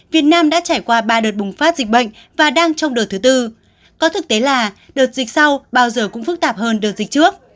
việt nam đã trải qua ba đợt bùng phát dịch bệnh và đang trong đợt thứ tư có thực tế là đợt dịch sau bao giờ cũng phức tạp hơn đợt dịch trước